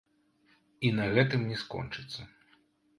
І на гэтым не скончыцца.